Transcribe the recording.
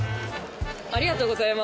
ありがとうございます！